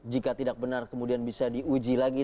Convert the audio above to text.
jika tidak benar kemudian bisa diuji lagi